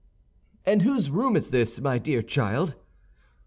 "And whose room is this, my dear child?"